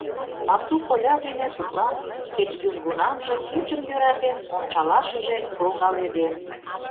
Пасу коля дене тудлан кеч южгунамже кечым йӧратен ончалашыже логаледен.